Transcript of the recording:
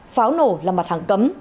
pháo nổi là mặt hàng cấm